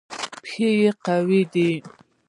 پښې قوي دي.